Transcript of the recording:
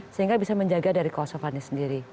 sehingga bisa menjaga dari cost of funding sendiri